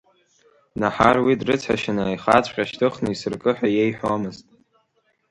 Наҳар уи дрыцҳашьаны аихаҵәҟьа шьҭыхны исыркы ҳәа иеиҳәомызт.